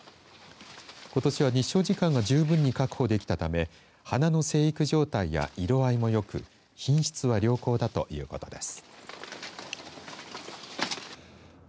ことしは日照時間が十分に確保できたため花の生育状態や色合いもよく品質は良好だということです。